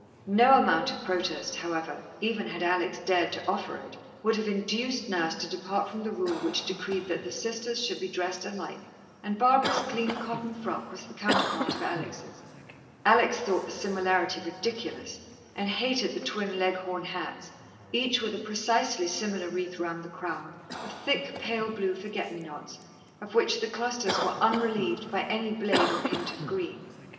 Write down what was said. No amount of protest, however, even had Alex dared to offer it, would have induced Nurse to depart from the rule which decreed that the sisters should be dressed alike, and Barbara's clean cotton frock was the counterpart of Alex'. Alex thought the similarity ridiculous, and hated the twin Leghorn hats, each with a precisely similar wreath round the crown, of thick, pale blue forget me nots, of which the clusters were unrelieved by any blade or hint of green.